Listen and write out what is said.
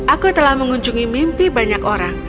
aku telah mengunjungi mimpi banyak orang